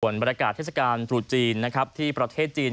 บรรยากาศเทศกาลตรุษจีนที่ประเทศจีน